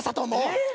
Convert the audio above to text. えっ？